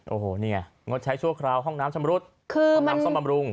โอ้โหเนี่ยงดใช้ชั่วคราวห้องน้ำชำรุดคือห้องน้ำซ่อมบำรุง